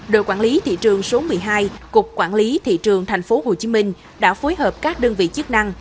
đội quản lý thị trường số một mươi hai cục quản lý thị trường tp hcm đã phối hợp các đơn vị chức năng